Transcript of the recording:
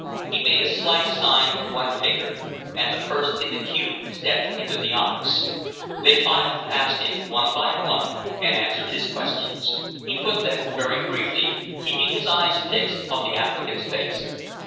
He made a slight sign with one finger, and the first in the queue stepped into the office. They filed past him one by one and answered his questions. He put them very briefly, keeping his eyes fixed on the applicant's face.